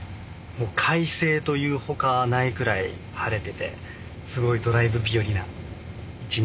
快晴と言うほかないくらい晴れててすごいドライブ日和な一日ですね。